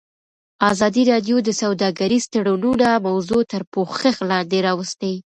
ازادي راډیو د سوداګریز تړونونه موضوع تر پوښښ لاندې راوستې.